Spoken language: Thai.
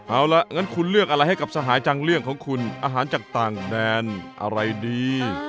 เอาละงั้นคุณเลือกอะไรให้กับสหายจังเรื่องของคุณอาหารจากต่างแดนอะไรดี